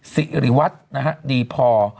ศิริวัตน์ดีพอ